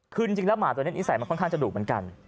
คือจริงแล้วหมาตัวนี้นิสัยมันค่อนข้างจะดุเหมือนกัน